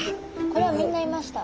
これはみんないました？